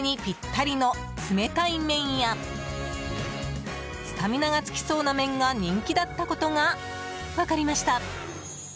暑い夏を乗り切るためにぴったりの冷たい麺やスタミナがつきそうな麺が人気だったことが分かりました。